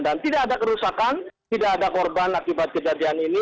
dan tidak ada kerusakan tidak ada korban akibat kejadian ini